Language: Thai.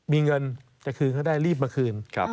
มีเงินจะคืนเขาได้รีบมาคืน